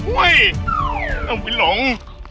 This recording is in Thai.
โอ้ยน้องวินหลง